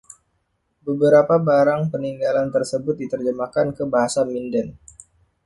Beberapa barang peninggalan tersebut diterjemahkan ke bahasa Minden.